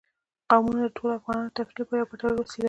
قومونه د ټولو افغانانو د تفریح لپاره یوه ګټوره وسیله ده.